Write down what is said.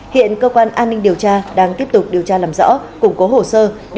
hiện cơ quan an ninh điều tra đang tiếp tục điều tra làm sao